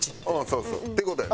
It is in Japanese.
そうそう。っていう事やね。